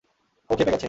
ও ক্ষেপে গেছে!